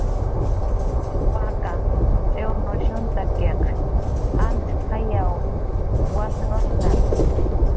Wakanh t'iwrnushunhtakiq antz jayw wasnushnha